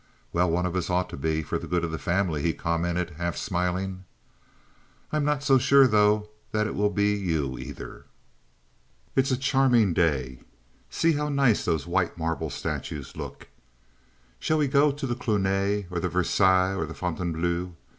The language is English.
"Well, one of us ought to be, for the good of the family," he commented, half smiling. "I'm not so sure, though, that it will be you, either." "It's a charming day. See how nice those white marble statues look. Shall we go to the Cluny or Versailles or Fontainbleau?